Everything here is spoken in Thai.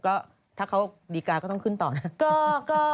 ก็ถ้าเขาดีการ์ก็ต้องขึ้นต่อนะ